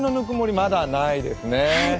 まだ、ないですね。